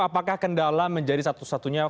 apakah kendala menjadi satu satunya